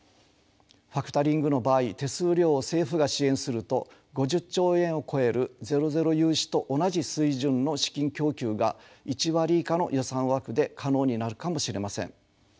ファクタリングの場合手数料を政府が支援すると５０兆円を超えるゼロ・ゼロ融資と同じ水準の資金供給が１割以下の予算枠で可能になるかもしれません。